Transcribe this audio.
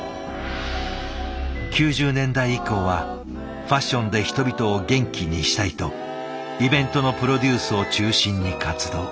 ９０年代以降はファッションで人々を元気にしたいとイベントのプロデュースを中心に活動。